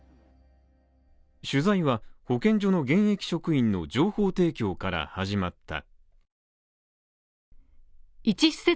取材は保健所の現役職員の情報提供から始まった。